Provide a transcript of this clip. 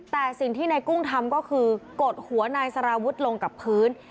แต่สิ่งที่นายกุ้งทำก็คือกดหัวนายสารวุฒิลงกับพื้น